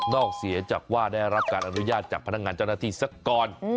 เสียจากว่าได้รับการอนุญาตจากพนักงานเจ้าหน้าที่สักก่อน